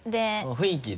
雰囲気で？